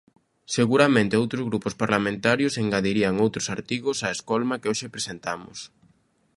Seguramente outros grupos parlamentarios engadirían outros artigos á escolma que hoxe presentamos.